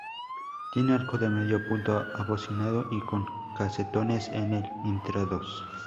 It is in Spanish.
Tiene arco de medio punto abocinado y con casetones en el intradós.